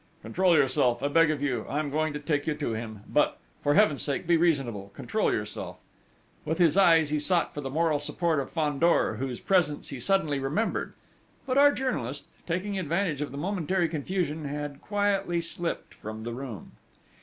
"Control yourself, I beg of you! I am going to take you to him; but, for Heaven's sake, be reasonable! Control yourself!" With his eyes he sought for the moral support of Fandor, whose presence he suddenly remembered. But our journalist, taking advantage of the momentary confusion, had quietly slipped from the room.